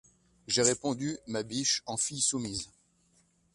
J’ai répondu, ma biche, en fille soumise.